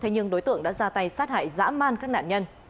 thế nhưng đối tượng đã ra tay sát hại dã man các nạn nhân